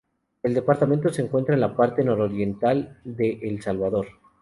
El departamento se encuentra en la parte nororiental de El Salvador.